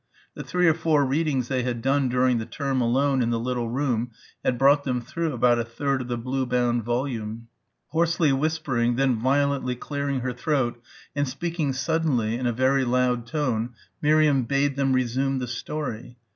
The three or four readings they had done during the term alone in the little room had brought them through about a third of the blue bound volume. Hoarsely whispering, then violently clearing her throat and speaking suddenly in a very loud tone Miriam bade them resume the story.